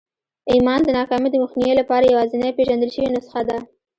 ايمان د ناکامۍ د مخنيوي لپاره يوازېنۍ پېژندل شوې نسخه ده.